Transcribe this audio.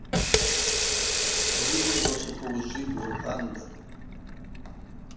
Ауи лыгвлачваква уыжвжвы йдуырхӏванда.